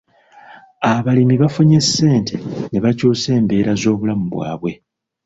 Abalimi bafunye ssente ne bakyusa embeera z'obulamu bwabwe.